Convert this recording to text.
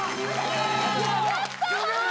やった！